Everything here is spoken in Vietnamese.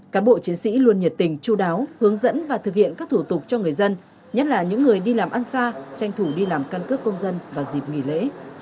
cán bộ chiến sĩ luôn nhiệt tình chú đáo hướng dẫn và thực hiện các thủ tục cho người dân nhất là những người đi làm ăn xa tranh thủ đi làm căn cước công dân vào dịp nghỉ lễ